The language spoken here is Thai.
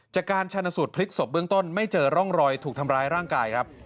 จากการชนสูตรพลิกศพเบื้องต้นไม่เจอร่องรอยถูกทำร้ายร่างกายครับ